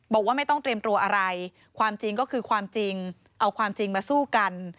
บอกว่าไม่ต้องเตรียมตัวอะไรความจริงก็คือความจริงเอาความจริงมาสู้กัน